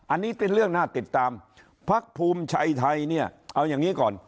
อันนี้เป็นเรื่องน่าติดตามพักภูมิใจไทยเนี่ยเอาอย่างนี้ก่อน